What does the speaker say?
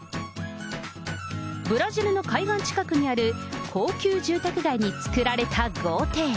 ブラジルの海岸近くにある高級住宅街に作られた豪邸。